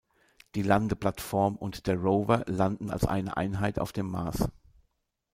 Die Landeplattform und der Rover landen als eine Einheit auf dem Mars.